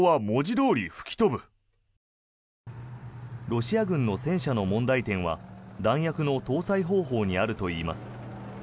ロシア軍の戦車の問題点は弾薬の搭載方法にあるといいます。